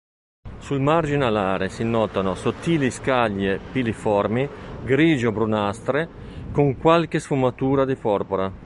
Sul margine alare si notano sottili scaglie piliformi grigio-brunastre, con qualche sfumatura di porpora.